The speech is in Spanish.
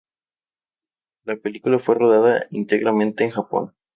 La película fue rodada íntegramente en Japón.